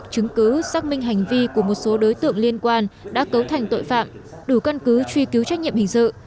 chứng cứ xác minh hành vi của một số đối tượng liên quan đã cấu thành tội phạm đủ căn cứ truy cứu trách nhiệm hình sự